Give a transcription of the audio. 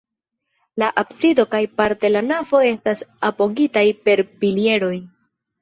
La absido kaj parte la navo estas apogitaj per pilieroj.